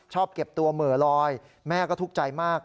เก็บตัวเหม่อลอยแม่ก็ทุกข์ใจมาก